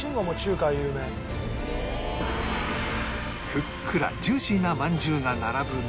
ふっくらジューシーなまんじゅうが並ぶ中